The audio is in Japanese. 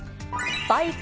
バイク